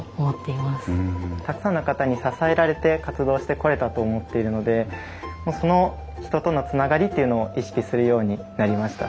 たくさんの方に支えられて活動してこれたと思っているのでその人とのつながりというのを意識するようになりました。